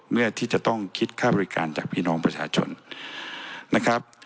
เพื่อที่จะต้องคิดค่าบริการจากพี่น้องประชาชนนะครับ